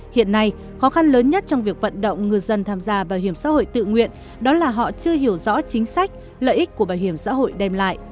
hiện nay khó khăn lớn nhất trong việc vận động ngư dân tham gia bảo hiểm xã hội tự nguyện đó là họ chưa hiểu rõ chính sách lợi ích của bảo hiểm xã hội đem lại